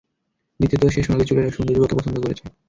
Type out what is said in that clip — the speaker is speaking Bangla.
দ্বিতীয়ত, সে সোনালী চুলের এক সুন্দর যুবককে পছন্দ করেছে।